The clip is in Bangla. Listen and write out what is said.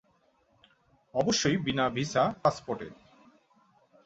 অবশ্যই বিনা ভিসা-পাসপোর্টে।